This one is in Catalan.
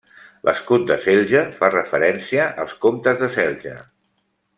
L'escut de Celje fa referència als Comtes de Celje.